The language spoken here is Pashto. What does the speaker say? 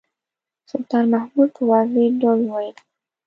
سلطان مسعود په واضح ډول وویل.